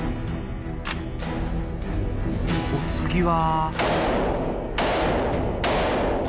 お次は。